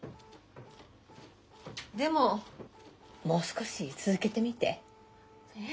でももう少し続けてみて。え？